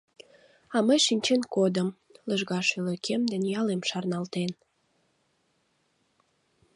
А мый шинчен кодым, Лыжга шӱлыкем ден ялем шарналтен.